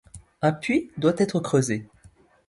Un puits doit être creusé.